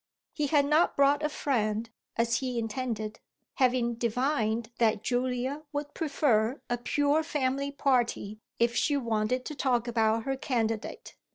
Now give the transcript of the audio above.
He had not brought a friend, as he intended, having divined that Julia would prefer a pure family party if she wanted to talk about her candidate.